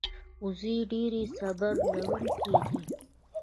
وزې ډېرې صبر لرونکې دي